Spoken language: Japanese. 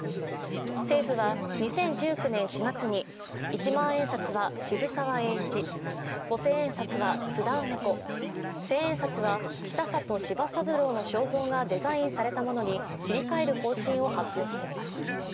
政府は２０１９年４月に一万円札は渋沢栄一、五千円札は津田梅子、千円札は北里柴三郎の肖像がデザインされたものに切り替える方針を発表しています。